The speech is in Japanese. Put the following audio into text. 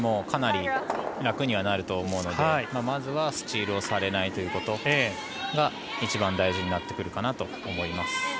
かなり楽にはなると思うのでまずはスチールをされないことが一番大事になってくるかなと思います。